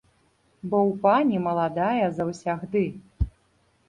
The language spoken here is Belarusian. Бо ў пані маладая заўсягды.